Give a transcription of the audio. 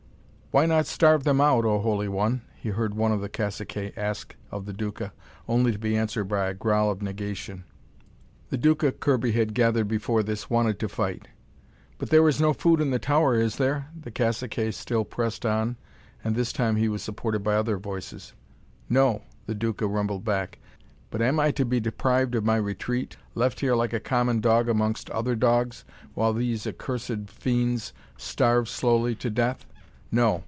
"Why not starve them out, O Holy One?" he heard one of the caciques ask of the Duca, only to be answered by a growl of negation. The Duca, Kirby had gathered before this, wanted to fight. "But there is no food in the tower, is there?" the cacique still pressed on, and this time he was supported by other voices. "No," the Duca rumbled back. "But am I to be deprived of my retreat, left here like a common dog amongst other dogs, while these accursed fiends starve slowly to death? No!